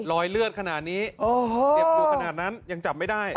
รอยเลือดขนาดนี้เจ็บอยู่ขนาดนั้นยังจับไม่ได้